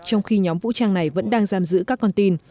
trong khi nhóm vũ trang này vẫn đang giam giữ các con tin